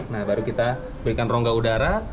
nah baru kita berikan rongga udara